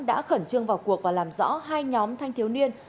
đã khẩn trương vào cuộc và làm rõ hai nhóm thanh thiếu niên